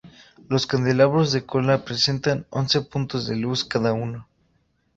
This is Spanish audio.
Los candelabros de cola presentan once puntos de luz cada uno.